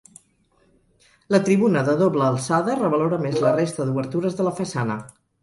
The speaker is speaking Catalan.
La tribuna de doble alçada revalora més la resta d'obertures de la façana.